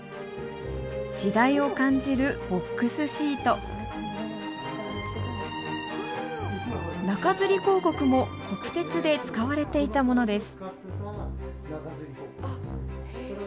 時代を感じるボックスシート中吊り広告も国鉄で使われていたものです